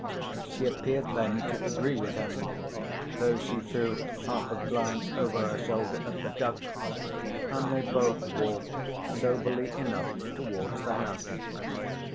She appeared then to agree with him, though she threw half a glance over her shoulder at the ducks, and they both walked soberly enough towards the house.